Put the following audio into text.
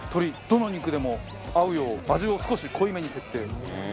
どの肉でも合うよう味を少し濃いめに設定。